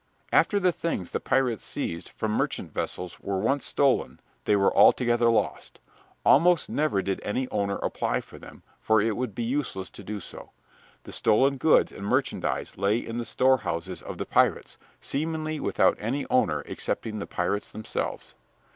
After the things the pirates seized from merchant vessels were once stolen they were altogether lost. Almost never did any owner apply for them, for it would be useless to do so. The stolen goods and merchandise lay in the storehouses of the pirates, seemingly without any owner excepting the pirates themselves.